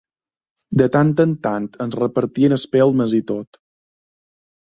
De tant en tant ens repartien espelmes i tot.